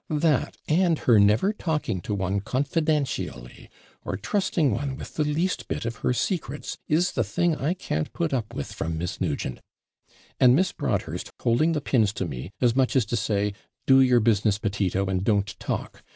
That, and her never talking to one confiDANtially, or trusting one with the least bit of her secrets, is the thing I can't put up with from Miss Nugent; and Miss Broadhurst holding the pins to me, as much as to say, Do your business, Petito, and don't talk.